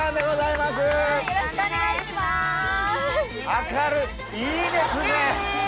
いいですね！